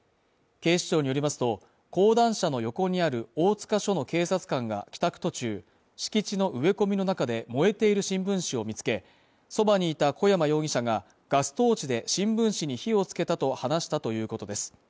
警視庁によりますと講談社の横にある大塚署の警察官が帰宅途中敷地の植え込みの中で燃えている新聞紙を見つけそばにいた小山容疑者がガストーチで新聞紙に火をつけたと話したということです